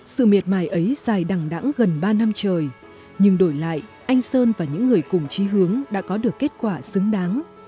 sự miệt mài ấy dài đằng đẳng gần ba năm trời nhưng đổi lại anh sơn và những người cùng trí hướng đã có được kết quả xứng đáng